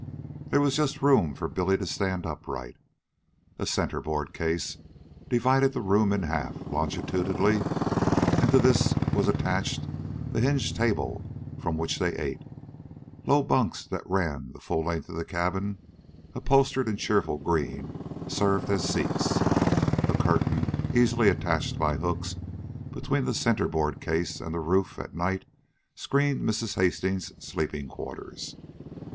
There was just room for Billy to stand upright. A centerboard case divided the room in half longitudinally, and to this was attached the hinged table from which they ate. Low bunks that ran the full cabin length, upholstered in cheerful green, served as seats. A curtain, easily attached by hooks between the centerboard case and the roof, at night screened Mrs. Hastings' sleeping quarters.